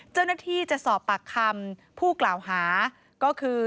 เจ้าหน้าที่จะสอบปากคำผู้กล่าวหาก็คือ